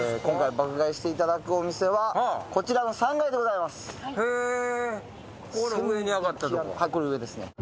今回爆買いしていただくお店はこちらの３階でございます。